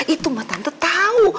itu mah tante tau